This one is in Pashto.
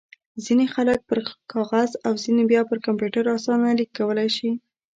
ځينې خلک پر کاغذ او ځينې بيا پر کمپيوټر اسانه ليک کولای شي.